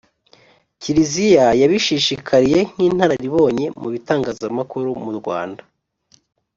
kiliziya yabishishikariye nk’inararibonye mu bitangazamakuru mu rwanda.